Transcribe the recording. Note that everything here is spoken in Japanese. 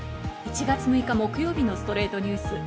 １月６日、木曜日の『ストレイトニュース』。